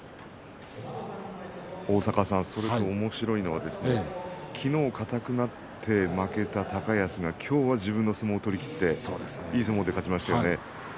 それとおもしろいのはきのう硬くなって負けた高安が今日は自分の相撲を取りきっていい相撲で勝ちましたよね。